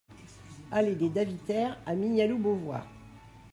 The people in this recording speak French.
Allée des Davitaires à Mignaloux-Beauvoir